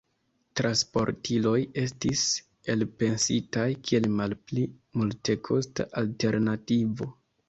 Transportiloj estis elpensitaj kiel malpli multekosta alternativo.